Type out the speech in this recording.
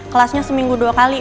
kelasnya seminggu dua kali